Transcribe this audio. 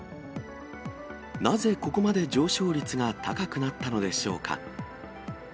なぜここまで上昇率が高くなったのでしょうか。